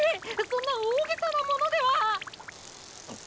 そんな大げさなものでは。